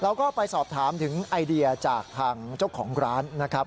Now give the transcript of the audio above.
เราก็ไปสอบถามถึงไอเดียจากทางเจ้าของร้านนะครับ